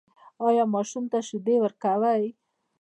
ایا ماشوم ته شیدې ورکوئ؟